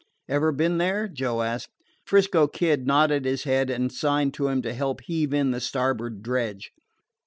"Ever been there?" Joe asked. 'Frisco Kid nodded his head and signed to him to help heave in the starboard dredge.